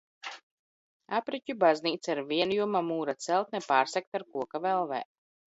Apriķu baznīca ir vienjoma mūra celtne, pārsegta ar koka velvēm.